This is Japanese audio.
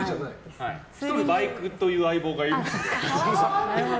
バイクという相棒がいるので。